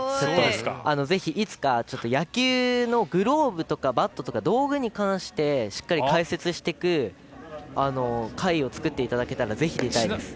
ぜひ、いつか野球のグローブとかバットとか道具に関してしっかり解説していく回を作っていただけたらぜひ出たいです。